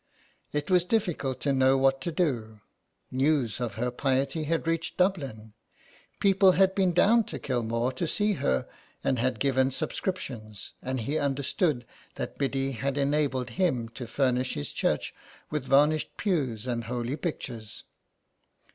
It was difficult to know what to do. News of her piety had reached Dublin. People had been down to Kilmore to see her and had given subscriptions, and he understood that Biddy had enabled him to furnish his church with varnished pews and holy pictures.